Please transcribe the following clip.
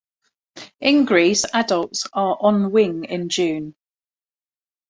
In Greece, adults are on wing in June.